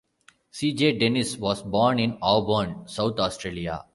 C. J. Dennis was born in Auburn, South Australia.